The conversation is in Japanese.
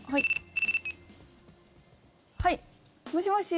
はい、もしもし。